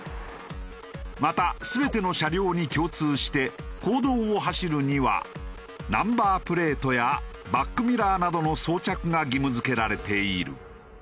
また全ての車両に共通して公道を走るにはナンバープレートやバックミラーなどの装着が義務付けられている。